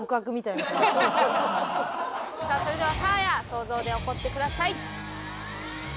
さあそれではサーヤ想像で怒ってください。